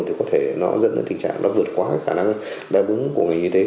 thì có thể nó dẫn đến tình trạng nó vượt qua khả năng đa bứng của ngành y tế